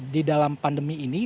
di dalam pandemi ini